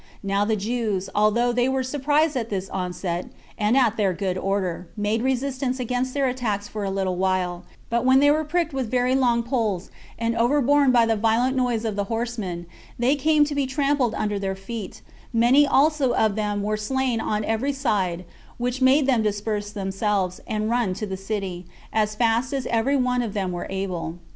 Now the Jews, although they were surprised at their onset, and at their good order, made resistance against their attacks for a little while; but when they were pricked with their long poles, and overborne by the violent noise of the horsemen, they came to be trampled under their feet; many also of them were slain on every side, which made them disperse themselves, and run to the city, as fast as every one of them were able.